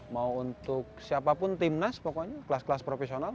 mau untuk persija mau untuk persib mau untuk siapapun timnas